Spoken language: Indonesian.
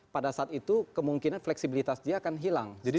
pada saat itu kemungkinan fleksibilitas dia akan hilang